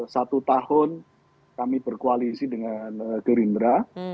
satu tahun kami berkoalisi dengan gerindra